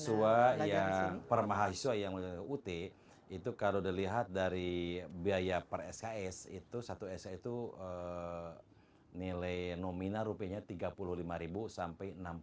siswa yang per mahasiswa yang ut itu kalau dilihat dari biaya per sks itu satu sk itu nilai nominal rupiahnya tiga puluh lima sampai enam puluh